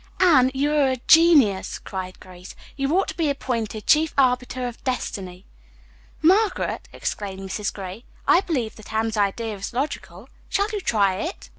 "Anne, you're a genius!" cried Grace. "You ought to be appointed Chief Arbiter of Destiny." "Margaret," exclaimed Mrs. Gray, "I believe that Anne's idea is logical. Shall you try it!"